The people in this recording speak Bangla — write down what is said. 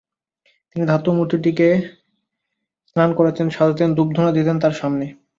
প্রতিদিন ধাতুমূর্তিটিকে তিনি স্নান করাতেন, সাজাতেন, ধূপধুনা দিতেন তাঁর সামনে।